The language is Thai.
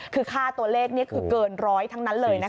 คือค่าตัวเลขนี่คือเกินร้อยทั้งนั้นเลยนะคะ